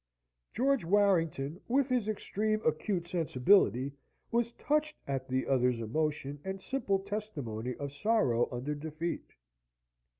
George Warrington, with his extreme acute sensibility, was touched at the other's emotion and simple testimony of sorrow under defeat.